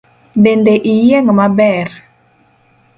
Bende iyieng’ maber?